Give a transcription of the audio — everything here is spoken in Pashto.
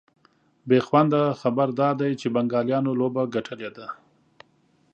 بېخونده خبر دا دی چي بنګالیانو لوبه ګټلې ده